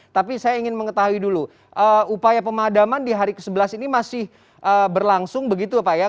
tapi saya ingin mengetahui dulu upaya pemadaman di hari ke sebelas ini masih berlangsung begitu pak ya